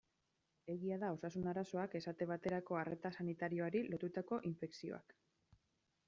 Egia da osasun arazoak, esate baterako arreta sanitarioari lotutako infekzioak.